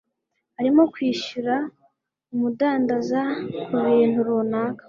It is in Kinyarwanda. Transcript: arimo kwishyura umudandaza kubintu runaka.